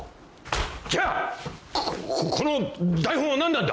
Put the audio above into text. じゃあここここの台本は何なんだ！？